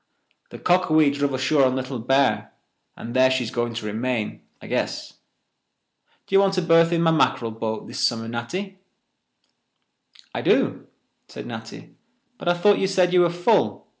The Cockawee druv ashore on Little Bear, and there she's going to remain, I guess. D'ye want a berth in my mackerel boat this summer, Natty?" "I do," said Natty, "but I thought you said you were full."